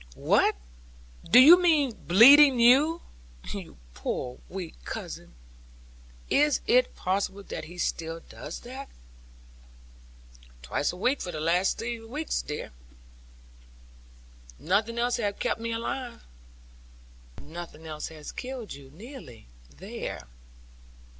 'What, do you mean bleeding you? You poor weak cousin! Is it possible that he does that still?' 'Twice a week for the last six weeks, dear. Nothing else has kept me alive.' 'Nothing else has killed you, nearly. There!'